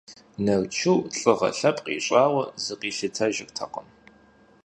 Нарчу лӀыгъэ лъэпкъ ищӀауэ зыкъилъытэжыртэкъым.